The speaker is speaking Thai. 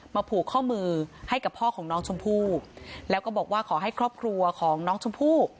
ผูกข้อมือให้กับพ่อของน้องชมพู่แล้วก็บอกว่าขอให้ครอบครัวของน้องชมพู่